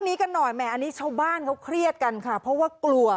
นี้กันหน่อยแหมอันนี้ชาวบ้านเขาเครียดกันค่ะเพราะว่ากลัว